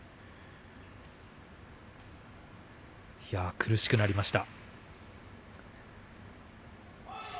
苦しくなりました。